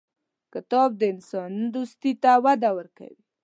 کتاب د انسان دوستي ته وده ورکوي.